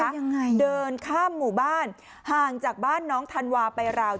ยังไงเดินข้ามหมู่บ้านห่างจากบ้านน้องธันวาไปราว